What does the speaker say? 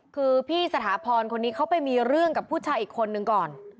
คือพี่สถาพรคนนี้เขาไปมีเรื่องกับผู้ชายอีกคนนึงก่อน